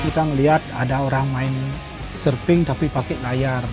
kita melihat ada orang main surfing tapi pakai layar